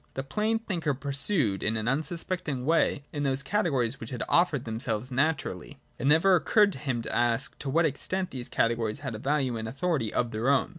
The plain thinker pursued his unsuspecting way in those categories which had offered themselves naturally. It never occurred to him to ask to what extent these categories had a value and authority of their own.